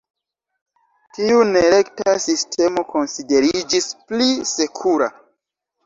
Tiu nerekta sistemo konsideriĝis "pli sekura".